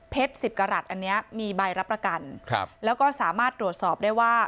สิบกรัฐอันนี้มีใบรับประกันครับแล้วก็สามารถตรวจสอบได้ว่า